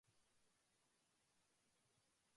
分かりました。